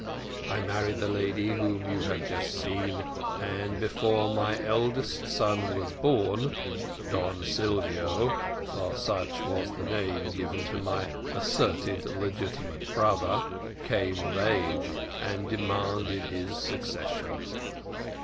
I married the lady whom you have just seen, and before my eldest son was born, Don Silvio, for such was the name given to my asserted legitimate brother, came of age, and demanded his succession.